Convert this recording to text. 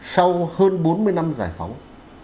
sau hơn bốn mươi năm giải phóng